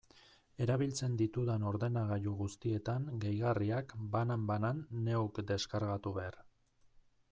Erabiltzen ditudan ordenagailu guztietan gehigarriak, banan-banan, neuk deskargatu behar.